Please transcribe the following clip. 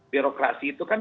birokrasi itu kan